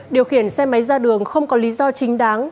điều khiển xe máy ra đường không có lý do chính đáng